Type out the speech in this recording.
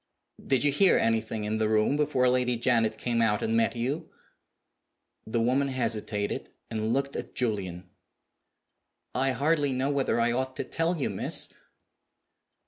"Did you hear anything in the room before Lady Janet came out and met you?" The woman hesitated, and looked at Julian. "I hardly know whether I ought to tell you, miss."